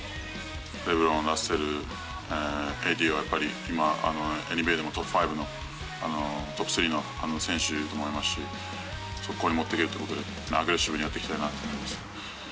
レブロン、ラッセル、ＡＤはやっぱり、今、ＮＢＡでもトップ３の選手だと思いますし、速攻に持っていけるっていうことで、アグレッシブにやっていきたいなと思います。